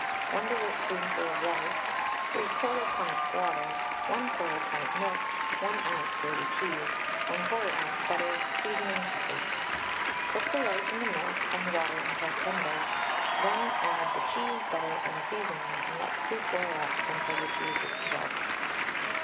1 dessertspoonful of rice, 3/4 pint water, 1/4 pint milk, 1 oz. grated cheese, 1/4 oz. butter, seasoning to taste. Cook the rice in the milk and water until tender, then add the cheese, butter, and seasoning, and let the soup boil up until the cheese is dissolved.